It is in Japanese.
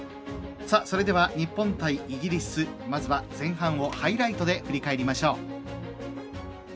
それでは、日本対イギリスまずは前半をハイライトで振り返りましょう。